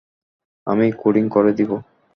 আমি কোডিং করে দিবো।